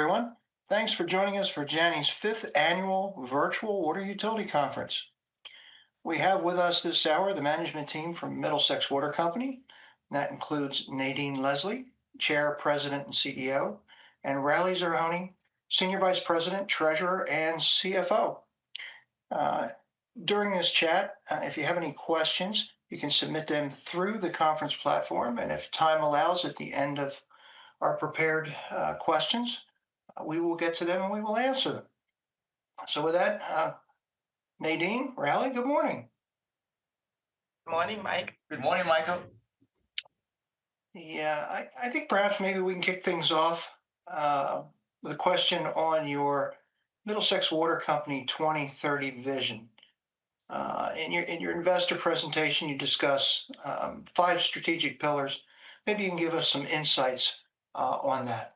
Everyone, thanks for joining us for Janney's Fifth Annual Virtual Water Utility Conference. We have with us this hour the management team from Middlesex Water Company. That includes Nadine Leslie, Chair, President, and CEO, and Rally Zerhouni, Senior Vice President, Treasurer, and CFO. During this chat, if you have any questions, you can submit them through the conference platform, and if time allows, at the end of our prepared questions, we will get to them and we will answer them. So with that, Nadine, Rally, good morning. Good morning, Mike. Good morning, Michael. Yeah, I think perhaps maybe we can kick things off with a question on your Middlesex Water Company 2030 vision. In your investor presentation, you discuss five strategic pillars. Maybe you can give us some insights on that.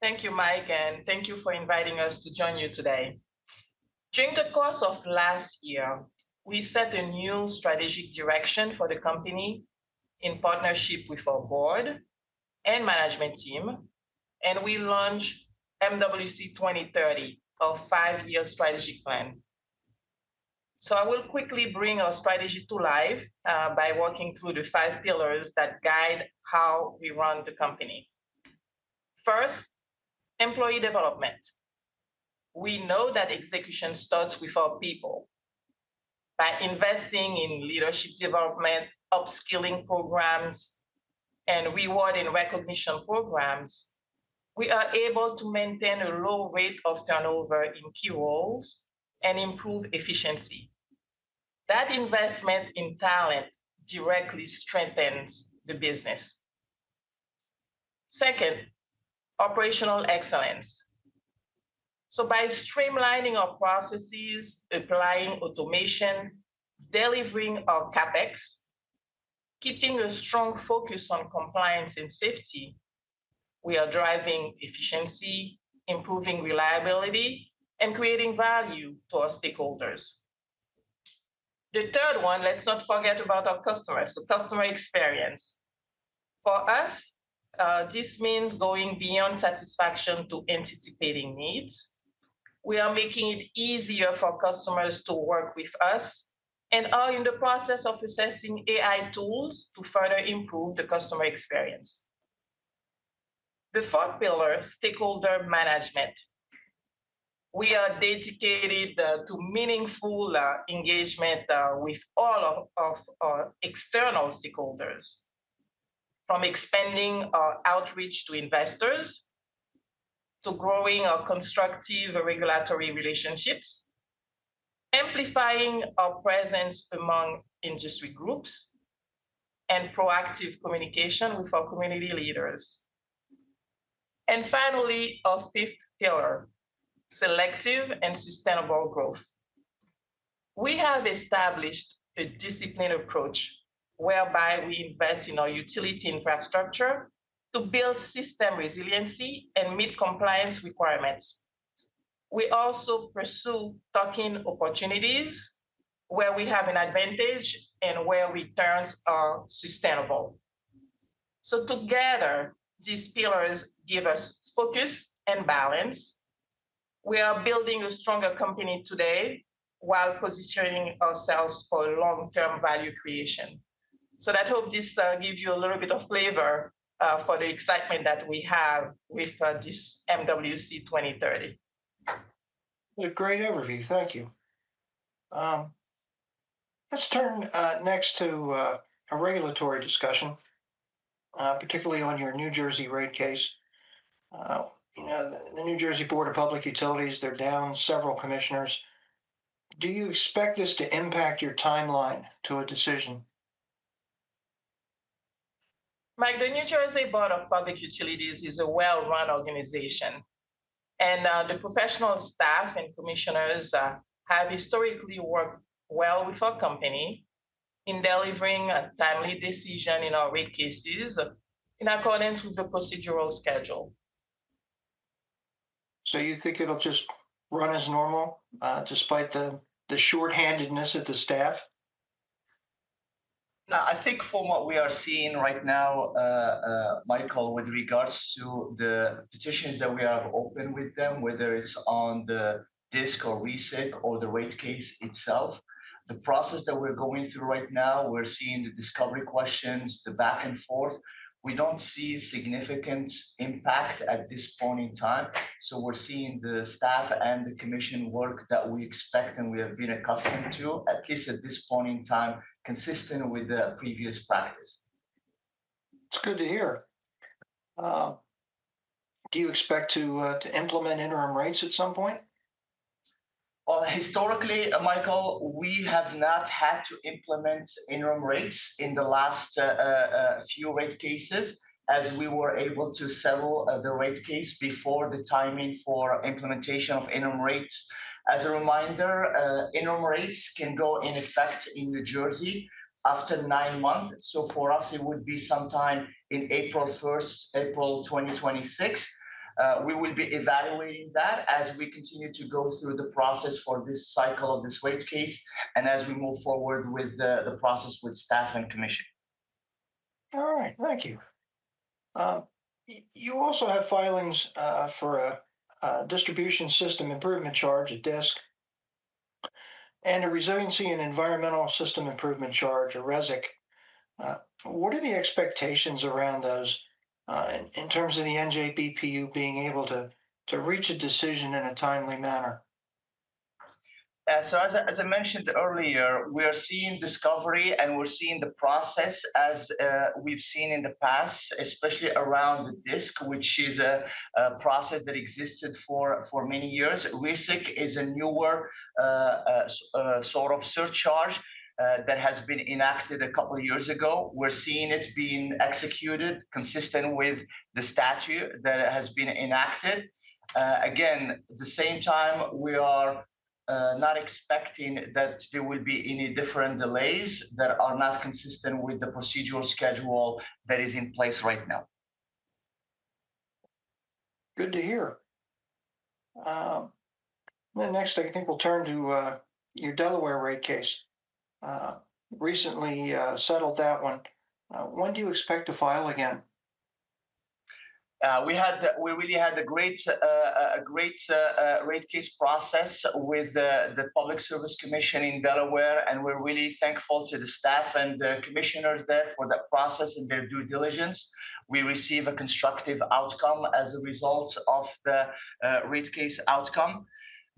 Thank you, Mike, and thank you for inviting us to join you today. During the course of last year, we set a new strategic direction for the company in partnership with our board and management team, and we launched MWC 2030, our five-year strategy plan. So I will quickly bring our strategy to life by walking through the five pillars that guide how we run the company. First, employee development. We know that execution starts with our people. By investing in leadership development, upskilling programs, and reward and recognition programs, we are able to maintain a low rate of turnover in key roles and improve efficiency. That investment in talent directly strengthens the business. Second, operational excellence. So by streamlining our processes, applying automation, delivering our CapEx, keeping a strong focus on compliance and safety, we are driving efficiency, improving reliability, and creating value to our stakeholders. The third one, let's not forget about our customers, so customer experience. For us, this means going beyond satisfaction to anticipating needs. We are making it easier for customers to work with us and are in the process of assessing AI tools to further improve the customer experience. The fourth pillar, stakeholder management. We are dedicated to meaningful engagement with all of our external stakeholders, from expanding our outreach to investors to growing our constructive regulatory relationships, amplifying our presence among industry groups, and proactive communication with our community leaders. And finally, our fifth pillar, selective and sustainable growth. We have established a disciplined approach whereby we invest in our utility infrastructure to build system resiliency and meet compliance requirements. We also pursue tuck-in opportunities where we have an advantage and where we turn our sustainability. So together, these pillars give us focus and balance. We are building a stronger company today while positioning ourselves for long-term value creation. So I hope this gives you a little bit of flavor for the excitement that we have with this MWC 2030. A great overview. Thank you. Let's turn next to a regulatory discussion, particularly on your New Jersey rate case. The New Jersey Board of Public Utilities, they're down several commissioners. Do you expect this to impact your timeline to a decision? Mike, the New Jersey Board of Public Utilities is a well-run organization, and the professional staff and commissioners have historically worked well with our company in delivering a timely decision in our rate cases in accordance with the procedural schedule. So you think it'll just run as normal despite the shorthandedness of the staff? No, I think from what we are seeing right now, Michael, with regards to the petitions that we have opened with them, whether it's on the DSIC or RESIC or the rate case itself, the process that we're going through right now, we're seeing the discovery questions, the back and forth. We don't see significant impact at this point in time. So we're seeing the staff and the commission work that we expect and we have been accustomed to, at least at this point in time, consistent with the previous practice. It's good to hear. Do you expect to implement interim rates at some point? Historically, Michael, we have not had to implement interim rates in the last few rate cases as we were able to settle the rate case before the timing for implementation of interim rates. As a reminder, interim rates can go into effect in New Jersey after nine months. For us, it would be sometime in April 1st, April 2026. We will be evaluating that as we continue to go through the process for this cycle of this rate case and as we move forward with the process with staff and Commission. All right. Thank you. You also have filings for a Distribution System Improvement Charge, a DSIC, and a Resiliency and Environmental System Improvement Charge, a RESIC. What are the expectations around those in terms of the NJ BPU being able to reach a decision in a timely manner? So as I mentioned earlier, we are seeing discovery and we're seeing the process as we've seen in the past, especially around the DSIC, which is a process that existed for many years. RESIC is a newer sort of surcharge that has been enacted a couple of years ago. We're seeing it being executed consistent with the statute that has been enacted. Again, at the same time, we are not expecting that there will be any different delays that are not consistent with the procedural schedule that is in place right now. Good to hear. Next, I think we'll turn to your Delaware rate case. Recently settled that one. When do you expect to file again? We really had a great rate case process with the Public Service Commission of Delaware, and we're really thankful to the staff and the commissioners there for that process and their due diligence. We received a constructive outcome as a result of the rate case outcome.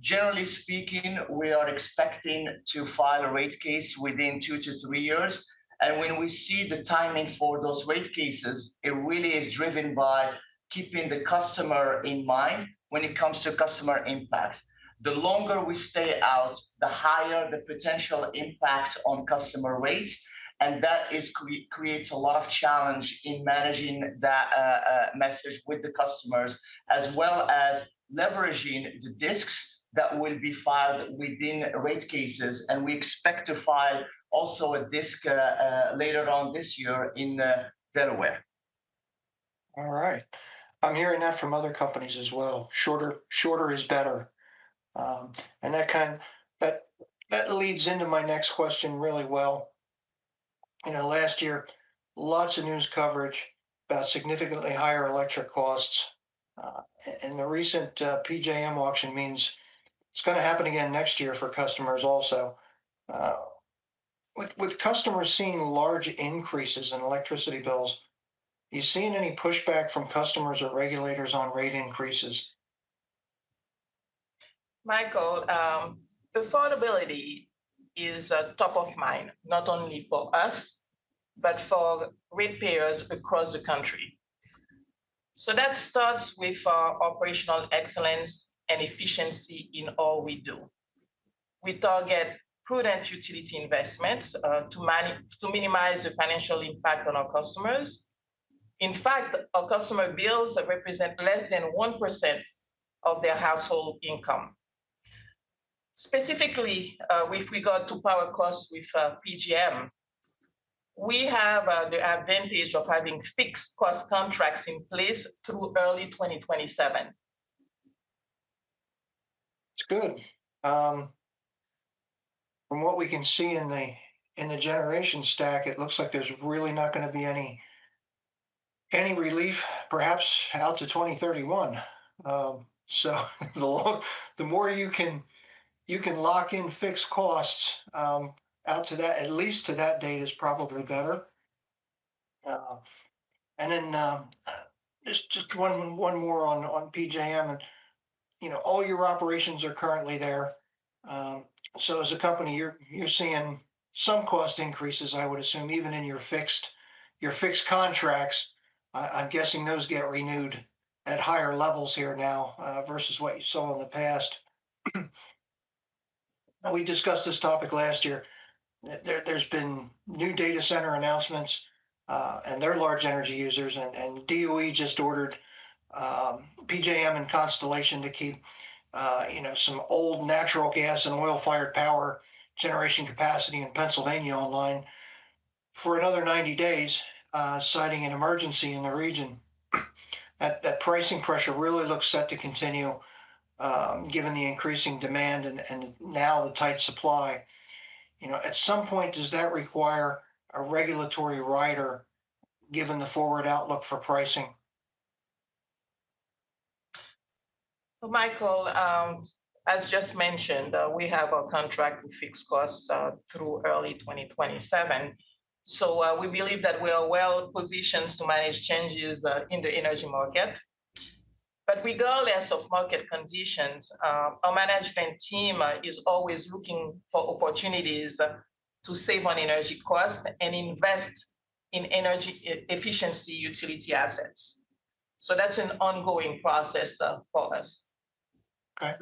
Generally speaking, we are expecting to file a rate case within two to three years. And when we see the timing for those rate cases, it really is driven by keeping the customer in mind when it comes to customer impact. The longer we stay out, the higher the potential impact on customer rates, and that creates a lot of challenge in managing that message with the customers, as well as leveraging the DSICs that will be filed within rate cases. And we expect to file also a DSIC later on this year in Delaware. All right. I'm hearing that from other companies as well. Shorter is better. And that leads into my next question really well. Last year, lots of news coverage about significantly higher electric costs. And the recent PJM auction means it's going to happen again next year for customers also. With customers seeing large increases in electricity bills, are you seeing any pushback from customers or regulators on rate increases? Michael, affordability is top of mind, not only for us, but for ratepayers across the country. So that starts with our operational excellence and efficiency in all we do. We target prudent utility investments to minimize the financial impact on our customers. In fact, our customer bills represent less than 1% of their household income. Specifically, with regard to power costs with PJM, we have the advantage of having fixed cost contracts in place through early 2027. That's good. From what we can see in the generation stack, it looks like there's really not going to be any relief, perhaps out to 2031. So the more you can lock in fixed costs out to that, at least to that date, is probably better. And then just one more on PJM. All your operations are currently there. So as a company, you're seeing some cost increases, I would assume, even in your fixed contracts. I'm guessing those get renewed at higher levels here now versus what you saw in the past. We discussed this topic last year. There's been new data center announcements, and they're large energy users. And DOE just ordered PJM and Constellation to keep some old natural gas and oil-fired power generation capacity in Pennsylvania online for another 90 days, citing an emergency in the region. That pricing pressure really looks set to continue given the increasing demand and now the tight supply. At some point, does that require a regulatory rider given the forward outlook for pricing? Michael, as just mentioned, we have a contract with fixed costs through early 2027. So we believe that we are well-positioned to manage changes in the energy market. But regardless of market conditions, our management team is always looking for opportunities to save on energy costs and invest in energy efficiency utility assets. So that's an ongoing process for us. Okay.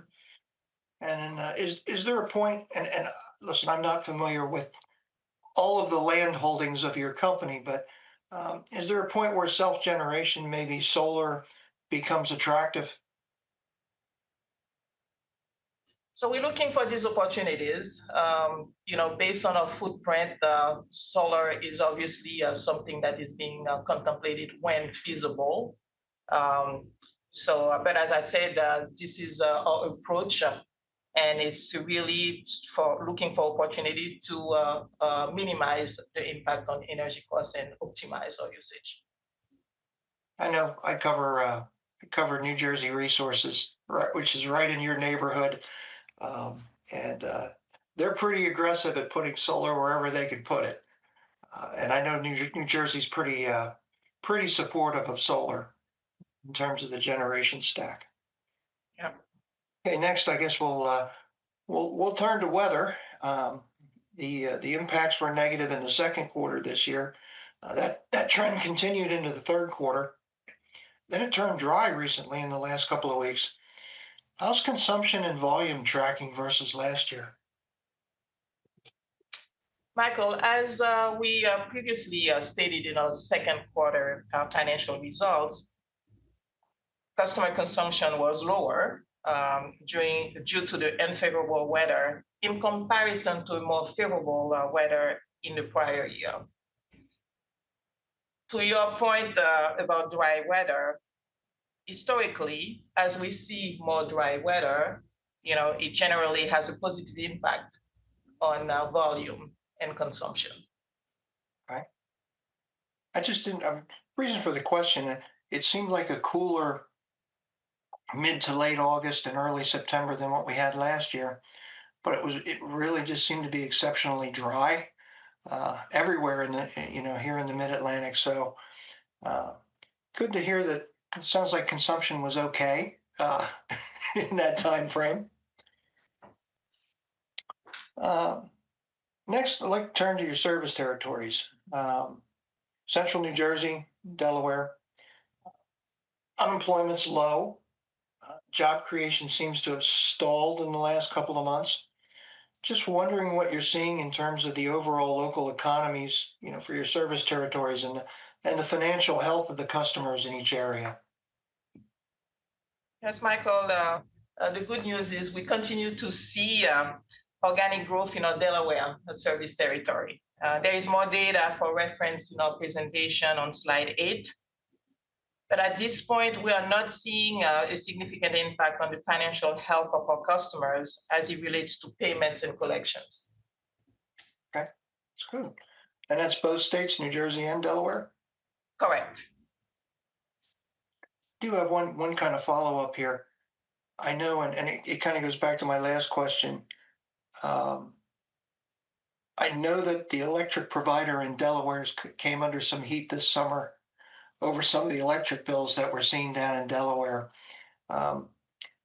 And is there a point, and listen, I'm not familiar with all of the land holdings of your company, but is there a point where self-generation, maybe solar, becomes attractive? So we're looking for these opportunities based on our footprint. Solar is obviously something that is being contemplated when feasible. But as I said, this is our approach, and it's really looking for opportunity to minimize the impact on energy costs and optimize our usage. I know I cover New Jersey Resources, which is right in your neighborhood. And they're pretty aggressive at putting solar wherever they can put it. And I know New Jersey's pretty supportive of solar in terms of the generation stack. Okay. Next, I guess we'll turn to weather. The impacts were negative in the second quarter this year. That trend continued into the third quarter. Then it turned dry recently in the last couple of weeks. How's consumption and volume tracking versus last year? Michael, as we previously stated in our second quarter financial results, customer consumption was lower due to the unfavorable weather in comparison to more favorable weather in the prior year. To your point about dry weather, historically, as we see more dry weather, it generally has a positive impact on volume and consumption. Okay. I just didn't have a reason for the question. It seemed like a cooler mid- to late August and early September than what we had last year. But it really just seemed to be exceptionally dry everywhere here in the Mid-Atlantic. So good to hear that it sounds like consumption was okay in that timeframe. Next, I'd like to turn to your service territories. Central New Jersey, Delaware, unemployment's low. Job creation seems to have stalled in the last couple of months. Just wondering what you're seeing in terms of the overall local economies for your service territories and the financial health of the customers in each area. Yes, Michael, the good news is we continue to see organic growth in our Delaware service territory. There is more data for reference in our presentation on slide 8. But at this point, we are not seeing a significant impact on the financial health of our customers as it relates to payments and collections. Okay. That's good, and that's both states, New Jersey and Delaware? Correct. I do have one kind of follow-up here. I know, and it kind of goes back to my last question. I know that the electric provider in Delaware came under some heat this summer over some of the electric bills that we're seeing down in Delaware.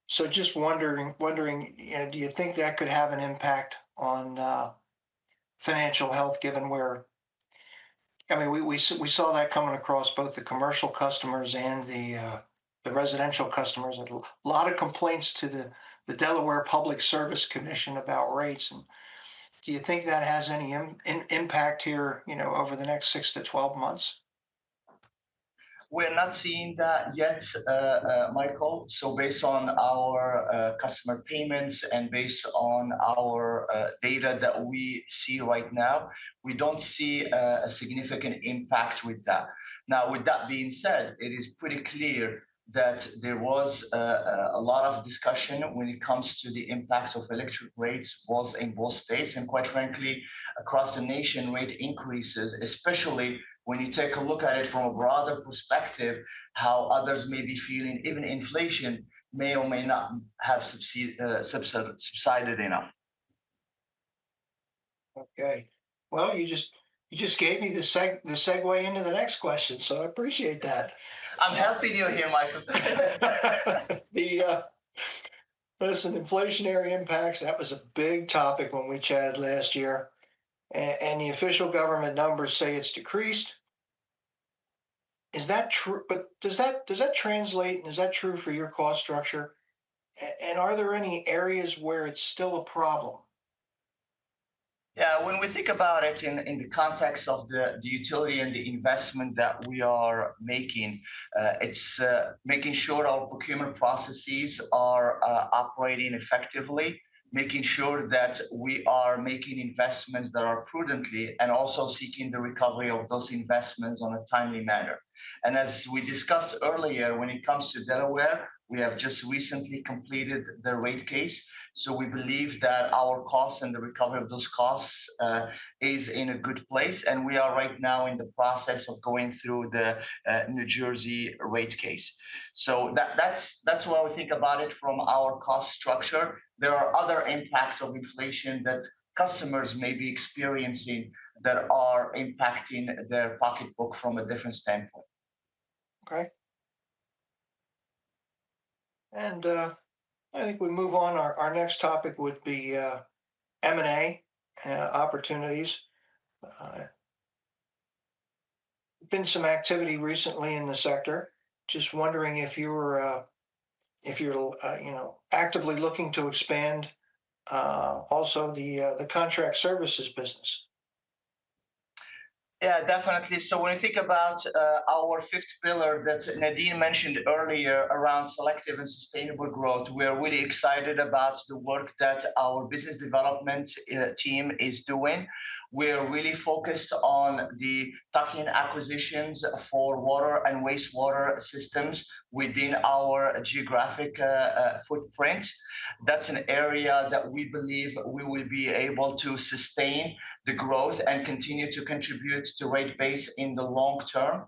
So just wondering, do you think that could have an impact on financial health given where I mean, we saw that coming across both the commercial customers and the residential customers. A lot of complaints to the Public Service Commission of Delaware about rates. Do you think that has any impact here over the next six to 12 months? We're not seeing that yet, Michael, so based on our customer payments and based on our data that we see right now, we don't see a significant impact with that. Now, with that being said, it is pretty clear that there was a lot of discussion when it comes to the impact of electric rates both in both states, and quite frankly, across the nation, rate increases, especially when you take a look at it from a broader perspective, how others may be feeling, even inflation may or may not have subsided enough. Okay. Well, you just gave me the segue into the next question. So I appreciate that. I'm helping you here, Michael. The inflationary impacts, that was a big topic when we chatted last year, and the official government numbers say it's decreased. Is that true, but does that translate and is that true for your cost structure, and are there any areas where it's still a problem? Yeah. When we think about it in the context of the utility and the investment that we are making, it's making sure our procurement processes are operating effectively, making sure that we are making investments that are prudently and also seeking the recovery of those investments on a timely manner. And as we discussed earlier, when it comes to Delaware, we have just recently completed the rate case. So we believe that our costs and the recovery of those costs is in a good place. And we are right now in the process of going through the New Jersey rate case. So that's why we think about it from our cost structure. There are other impacts of inflation that customers may be experiencing that are impacting their pocketbook from a different standpoint. Okay, and I think we move on. Our next topic would be M&A opportunities. There's been some activity recently in the sector. Just wondering if you're actively looking to expand also the contract services business. Yeah, definitely. So when we think about our fifth pillar that Nadine mentioned earlier around selective and sustainable growth, we are really excited about the work that our business development team is doing. We are really focused on the tuck-in acquisitions for water and wastewater systems within our geographic footprint. That's an area that we believe we will be able to sustain the growth and continue to contribute to rate base in the long term.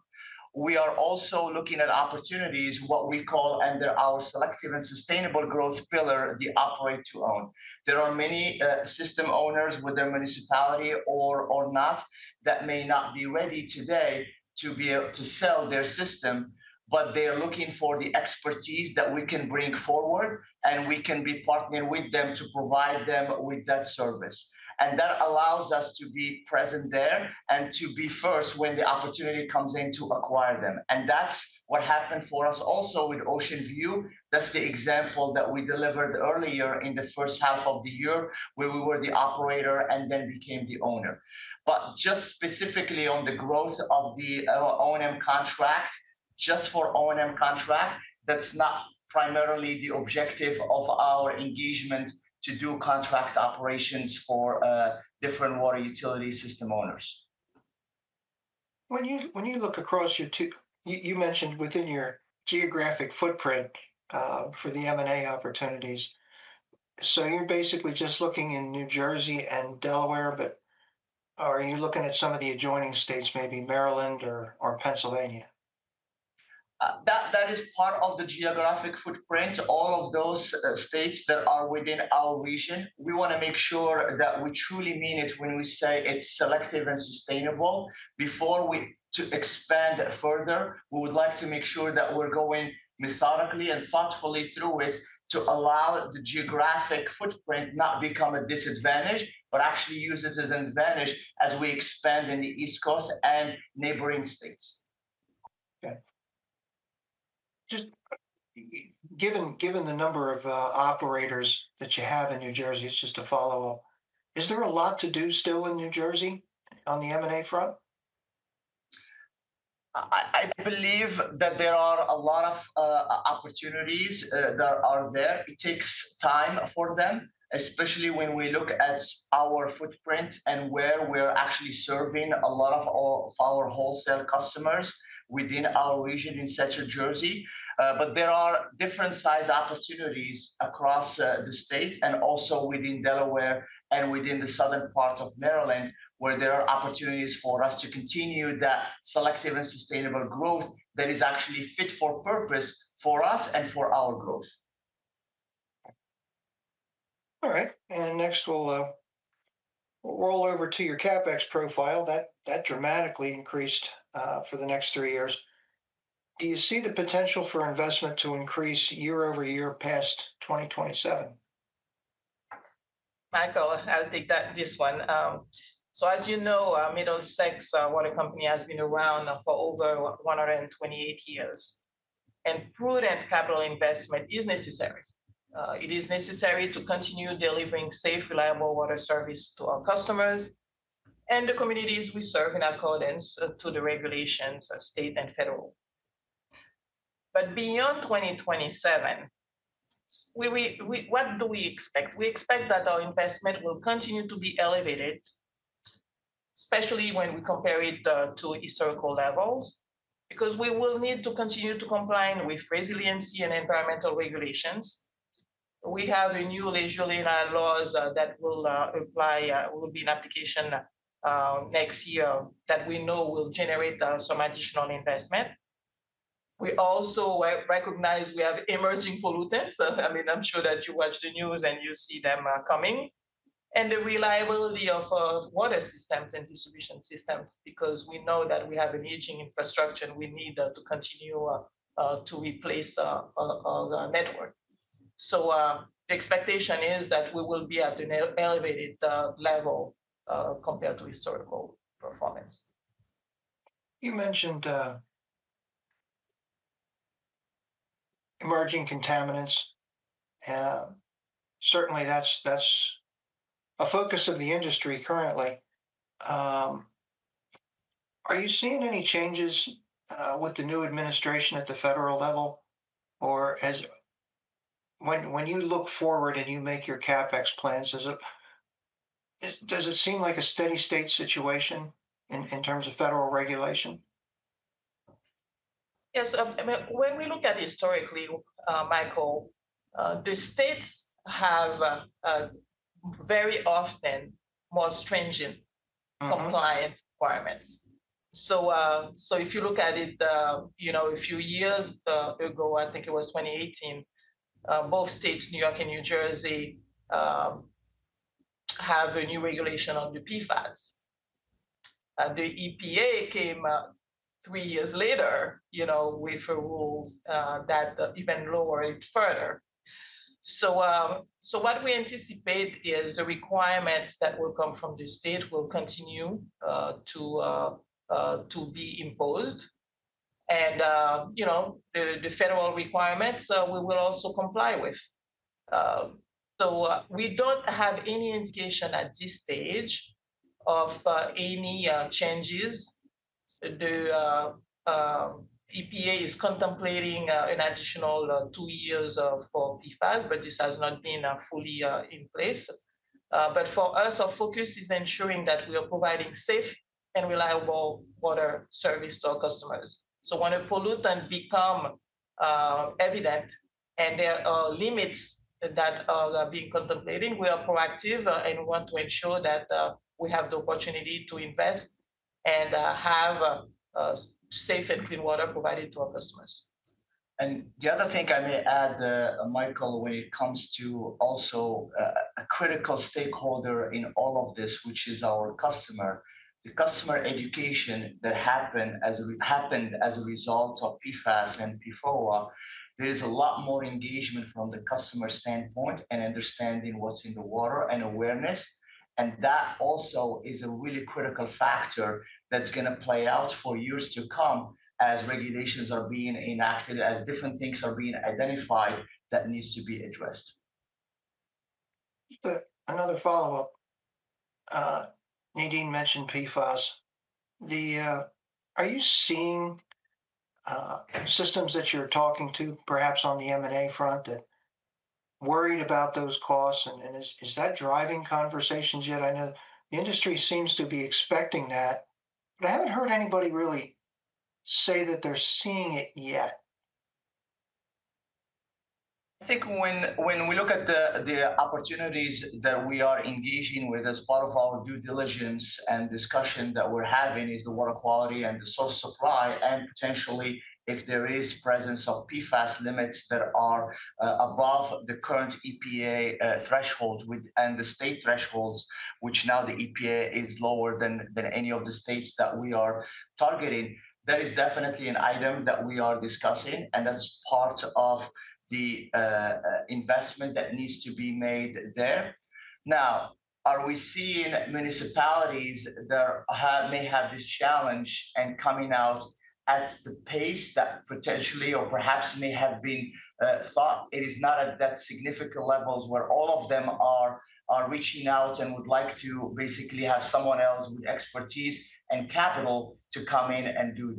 We are also looking at opportunities, what we call under our selective and sustainable growth pillar, the operate-to-own. There are many system owners with their municipality or not that may not be ready today to be able to sell their system, but they are looking for the expertise that we can bring forward and we can be partnered with them to provide them with that service. That allows us to be present there and to be first when the opportunity comes in to acquire them. That's what happened for us also with Ocean View. That's the example that we delivered earlier in the first half of the year where we were the operator and then became the owner. Just specifically on the growth of the O&M contract, just for O&M contract, that's not primarily the objective of our engagement to do contract operations for different water utility system owners. When you look across your two, you mentioned within your geographic footprint for the M&A opportunities. So you're basically just looking in New Jersey and Delaware, but are you looking at some of the adjoining states, maybe Maryland or Pennsylvania? That is part of the geographic footprint. All of those states that are within our region, we want to make sure that we truly mean it when we say it's selective and sustainable. Before we expand further, we would like to make sure that we're going methodically and thoughtfully through it to allow the geographic footprint not to become a disadvantage, but actually use it as an advantage as we expand in the East Coast and neighboring states. Okay. Given the number of operators that you have in New Jersey, it's just a follow-up. Is there a lot to do still in New Jersey on the M&A front? I believe that there are a lot of opportunities that are there. It takes time for them, especially when we look at our footprint and where we're actually serving a lot of our wholesale customers within our region in Central Jersey. But there are different sized opportunities across the state and also within Delaware and within the southern part of Maryland where there are opportunities for us to continue that selective and sustainable growth that is actually fit for purpose for us and for our growth. All right, and next, we'll roll over to your CapEx profile. That dramatically increased for the next three years. Do you see the potential for investment to increase year over year past 2027? Michael, I'll take this one. So as you know, Middlesex Water Company has been around for over 128 years. And prudent capital investment is necessary. It is necessary to continue delivering safe, reliable water service to our customers and the communities we serve in accordance to the regulations, state and federal. But beyond 2027, what do we expect? We expect that our investment will continue to be elevated, especially when we compare it to historical levels, because we will need to continue to comply with resiliency and environmental regulations. We have a new LCR law that will apply, will be in application next year that we know will generate some additional investment. We also recognize we have emerging pollutants. I mean, I'm sure that you watch the news and you see them coming and the reliability of water systems and distribution systems, because we know that we have an aging infrastructure and we need to continue to replace our network. So the expectation is that we will be at an elevated level compared to historical performance. You mentioned emerging contaminants. Certainly, that's a focus of the industry currently. Are you seeing any changes with the new administration at the federal level? Or when you look forward and you make your CapEx plans, does it seem like a steady-state situation in terms of federal regulation? Yes. When we look at historically, Michael, the states have very often more stringent compliance requirements. So if you look at it a few years ago, I think it was 2018, both states, New York and New Jersey, have a new regulation on the PFAS. The EPA came three years later with rules that even lowered further. So what we anticipate is the requirements that will come from the state will continue to be imposed, and the federal requirements, we will also comply with. So we don't have any indication at this stage of any changes. The EPA is contemplating an additional two years for PFAS, but this has not been fully in place. For us, our focus is ensuring that we are providing safe and reliable water service to our customers. When a pollutant becomes evident and there are limits that are being contemplated, we are proactive and want to ensure that we have the opportunity to invest and have safe and clean water provided to our customers. The other thing I may add, Michael, when it comes to also a critical stakeholder in all of this, which is our customer. The customer education that happened as a result of PFAS and PFOA. There is a lot more engagement from the customer standpoint and understanding what's in the water and awareness. That also is a really critical factor that's going to play out for years to come as regulations are being enacted, as different things are being identified that need to be addressed. Another follow-up. Nadine mentioned PFAS. Are you seeing systems that you're talking to, perhaps on the M&A front, that are worried about those costs? And is that driving conversations yet? I know the industry seems to be expecting that, but I haven't heard anybody really say that they're seeing it yet. I think when we look at the opportunities that we are engaging with as part of our due diligence and discussion that we're having is the water quality and the source supply. And potentially, if there is presence of PFAS limits that are above the current EPA threshold and the state thresholds, which now the EPA is lower than any of the states that we are targeting, that is definitely an item that we are discussing. And that's part of the investment that needs to be made there. Now, are we seeing municipalities that may have this challenge and coming out at the pace that potentially or perhaps may have been thought it is not at that significant levels where all of them are reaching out and would like to basically have someone else with expertise and capital to come in and do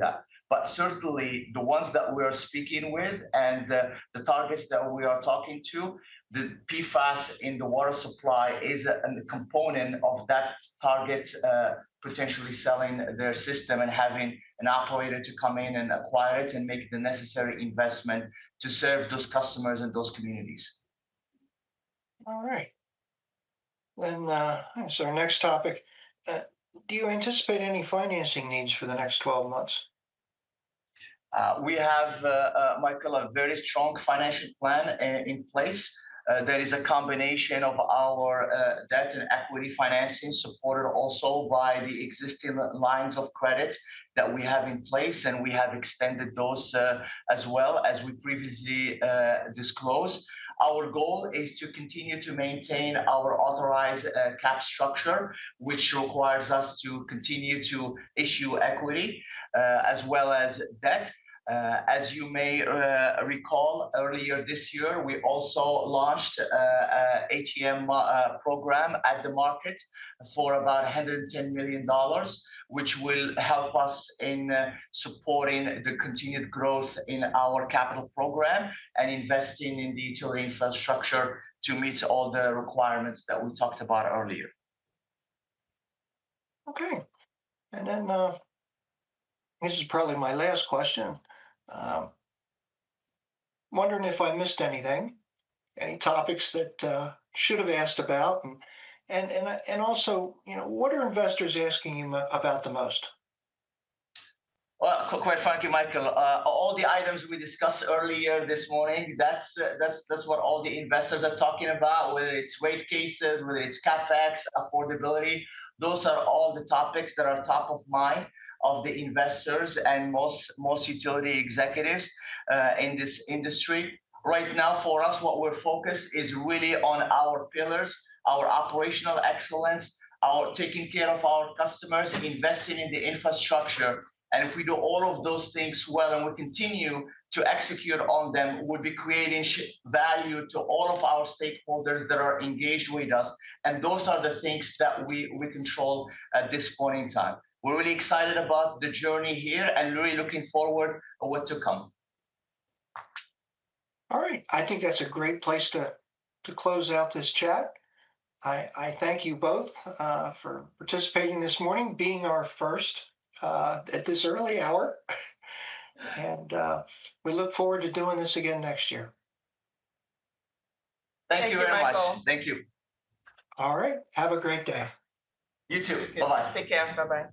that? But certainly, the ones that we are speaking with and the targets that we are talking to, the PFAS in the water supply is a component of that target, potentially selling their system and having an operator to come in and acquire it and make the necessary investment to serve those customers and those communities. All right. Then our next topic. Do you anticipate any financing needs for the next 12 months? We have, Michael, a very strong financial plan in place. There is a combination of our debt and equity financing supported also by the existing lines of credit that we have in place. And we have extended those as well as we previously disclosed. Our goal is to continue to maintain our authorized capital structure, which requires us to continue to issue equity as well as debt. As you may recall, earlier this year, we also launched an at-the-market (ATM) program for about $110 million, which will help us in supporting the continued growth in our capital program and investing in the utility infrastructure to meet all the requirements that we talked about earlier. Okay, and then this is probably my last question. Wondering if I missed anything, any topics that I should have asked about. And also, what are investors asking you about the most? Quite frankly, Michael, all the items we discussed earlier this morning, that's what all the investors are talking about, whether it's rate cases, whether it's CapEx, affordability. Those are all the topics that are top of mind of the investors and most utility executives in this industry. Right now, for us, what we're focused on is really on our pillars, our operational excellence, our taking care of our customers, investing in the infrastructure. If we do all of those things well and we continue to execute on them, we'll be creating value to all of our stakeholders that are engaged with us. Those are the things that we control at this point in time. We're really excited about the journey here and really looking forward to what's to come. All right. I think that's a great place to close out this chat. I thank you both for participating this morning, being our first at this early hour, and we look forward to doing this again next year. Thank you very much. Thank you. All right. Have a great day. You too. Bye-bye. Take care. Bye-bye.